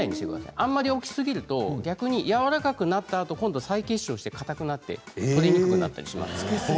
あまり置きすぎると逆にやわらかくなったあと今度は再結晶してかたくなって取れにくくなったりします。